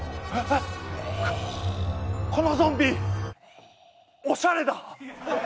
こっこのゾンビおしゃれだ！